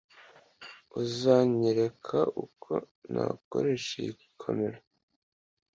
Uzanyereka uko nakoresha iyi kamera?